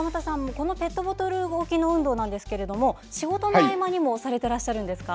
このペットボトル運動ですが仕事の合間にもされてらっしゃるんですか？